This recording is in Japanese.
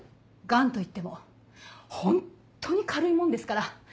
ガンといってもホントに軽いもんですから。